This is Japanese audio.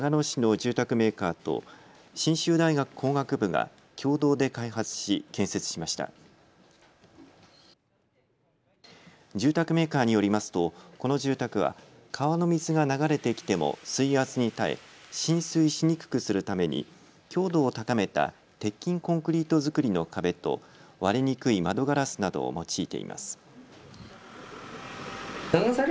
住宅メーカーによりますとこの住宅は川の水が流れてきても水圧に耐え浸水しにくくするために強度を高めた鉄筋コンクリート造の壁と割れにくい窓ガラスなどを用いています。